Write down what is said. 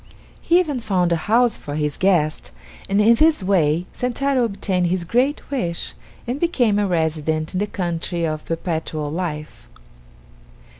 He even found a house for his guest, and in this way Sentaro obtained his great wish and became a resident in the country of Perpetual Life.